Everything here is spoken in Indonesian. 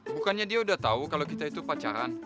bukannya dia udah tahu kalau kita itu pacaran